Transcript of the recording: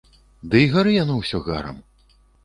Ды і гары яно ўсё гарам.